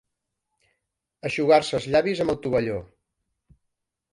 Eixugar-se els llavis amb el tovalló.